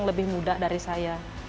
lebih mudah dari saya